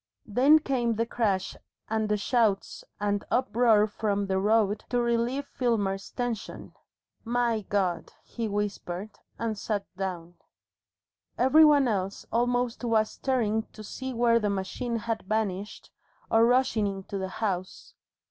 Then came the crash and the shouts and uproar from the road to relieve Filmer's tension. "My God!" he whispered, and sat down. Every one else almost was staring to see where the machine had vanished, or rushing into the house.